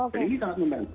dan ini sangat membantu